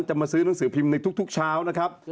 มาซื้อหนังสือพิมพ์ในทุกเช้านะครับ